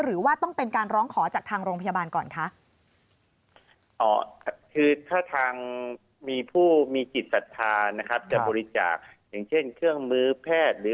หรือว่าต้องเป็นการร้องขอจากทางโรงพยาบาลก่อนคะ